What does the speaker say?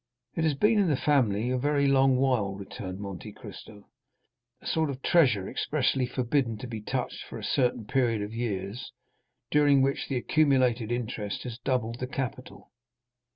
"It has been in the family a very long while," returned Monte Cristo, "a sort of treasure expressly forbidden to be touched for a certain period of years, during which the accumulated interest has doubled the capital.